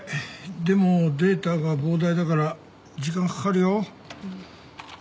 でもデータが膨大だから時間かかるよ。